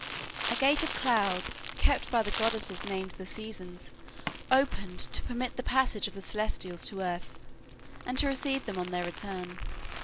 A gate of clouds, kept by the goddesses named the Seasons, opened to permit the passage of the Celestials to earth, and to receive them on their return.